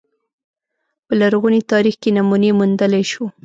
په لرغوني تاریخ کې نمونې موندلای شو